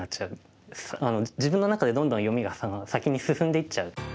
自分の中でどんどん読みが先に進んでいっちゃう。